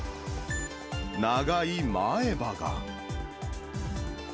長い前歯が。